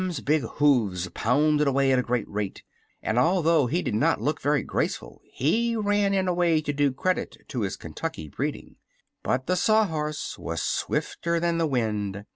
] Jim's big hoofs pounded away at a great rate, and although he did not look very graceful he ran in a way to do credit to his Kentucky breeding. But the Sawhorse was swifter than the wind.